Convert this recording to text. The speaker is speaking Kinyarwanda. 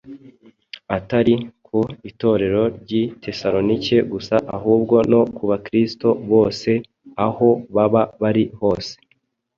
Atari ku Itorero ry’i Tesalonike gusa, ahubwo no ku Bakristo bose aho baba bari hose.